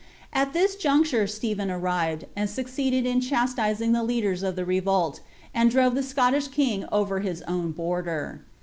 At lliil juncture Stephen arrived, uid lucceeded in chastising the Ic&den of the revolt, and drove the Scottish king over his own border.